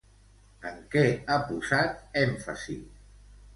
En què ha posat èmfasi?